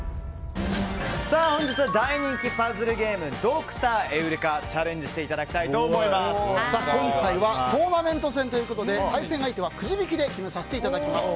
本日は大人気パズルゲームドクターエウレカにチャレンジしていただきたいと今回はトーナメント戦ということで対戦相手は、くじ引きで決めさせていただきます。